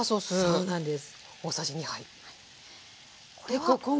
そうなんです。